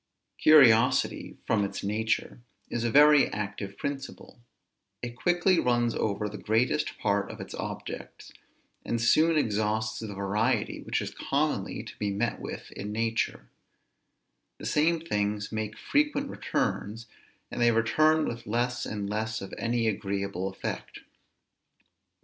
Curiosity, from its nature, is a very active principle; it quickly runs over the greatest part of its objects, and soon exhausts the variety which is commonly to be met with in nature; the same things make frequent returns, and they return with less and less of any agreeable effect.